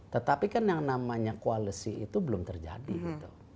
tetapi kan yang namanya koalisi itu belum terjadi gitu